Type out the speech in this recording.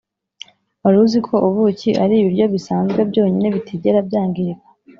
wari uziko ubuki ari ibiryo bisanzwe byonyine bitigera byangirika